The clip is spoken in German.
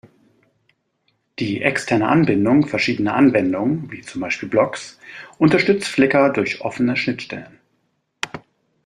Die externe Anbindung verschiedener Anwendungen wie zum Beispiel Blogs unterstützt Flickr durch offene Schnittstellen.